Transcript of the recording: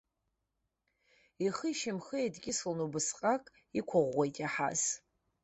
Ихи ишьамхи еидкьыслон, убасҟак иқәыӷәӷәеит иаҳаз.